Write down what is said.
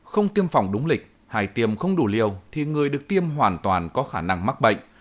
không tiêm phòng đúng lịch hài tiêm không đủ liều thì người được tiêm hoàn toàn có khả năng mắc bệnh